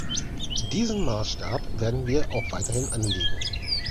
Diesen Maßstab werden wir auch weiterhin anlegen.